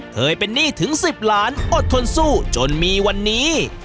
เคยเป็นหนี้ถึง๑๐ล้านอดทนสู้จนมีวันนี้